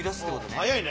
早いね。